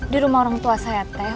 di rumah orang tua saya teh